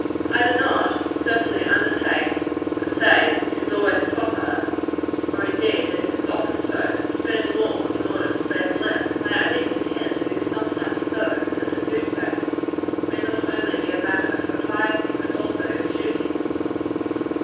I do not, certainly undertake to say that it is always proper or indeed, that it is often so to spend more, in order to save less. I only contend that it is sometimes so; and that to do so, may not only be a matter of propriety, but also a duty.